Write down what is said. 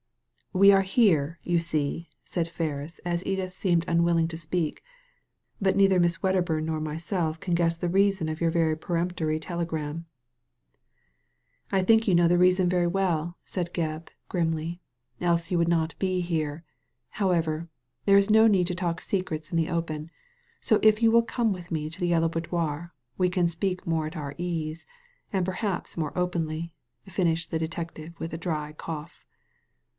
"We are here, you see," said Ferris, as Edith seemed unwilling to speak, ''but neither Miss Wedderbum nor myself can guess the reason of your very peremptory telegram.'* "I think you know the reason very well," said Digitized by Google A SECRET HOARD 225 Gebb, grimly, " else you would not be here How ever, there is no need to talk secrets in the open, so if you will come with me to the Yellow Boudoir, we can speak more at our ease — ^and perhaps more openly," finished the detective, with a dry cough.